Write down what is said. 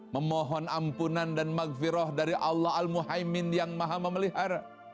memohon ampunan dan maghfirah dari allah al muhaymin yang maha memelihara